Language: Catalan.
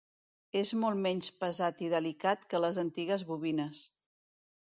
És molt menys pesat i delicat que les antigues bobines.